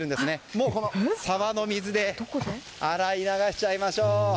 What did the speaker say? もう、沢の水で洗い流しちゃいましょう。